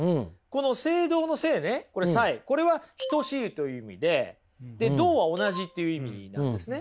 この「斉同」の「斉」ねこれは等しいという意味でで「同」は同じっていう意味なんですね。